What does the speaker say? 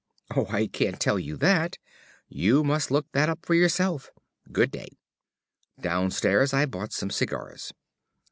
"Oh, I can't tell you that. You must look that up for yourself. Good day." Downstairs I bought some cigars.